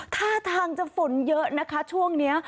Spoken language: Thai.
ท่าทางจะฝนเยอะนะคะช่วงนี้